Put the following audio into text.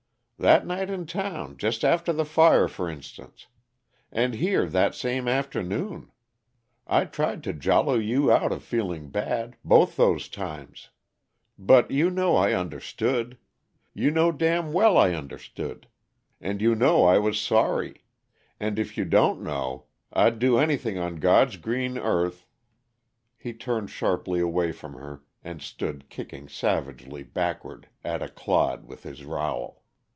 "That night in town, just after the fire, for instance. And here, that same afternoon. I tried to jolly you out of feeling bad, both those times; but you know I understood. You know damn' well I understood! And you know I was sorry. And if you don't know, I'd do anything on God's green earth " He turned sharply away from her and stood kicking savagely backward at a clod with his rowel.